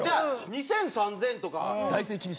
２０００３０００とか。